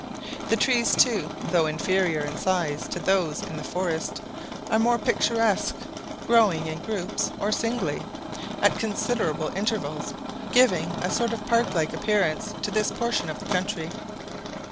The trees, too, though inferior in size to those in the forests, are more picturesque, growing in groups or singly, at considerable intervals, giving a sort of park like appearance to this portion of the country.